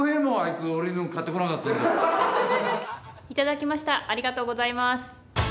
いただきました。